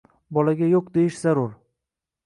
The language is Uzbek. bolaga “yo‘q” deyish zarur.